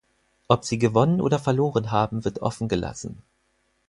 Ob sie gewonnen oder verloren haben, wird offengelassen.